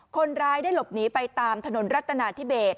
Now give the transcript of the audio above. คนร้ายได้หลบหนีไปตามถนนรัฐนาธิเบส